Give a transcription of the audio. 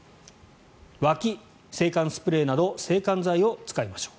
わき、制汗スプレーなど制汗剤を使いましょう。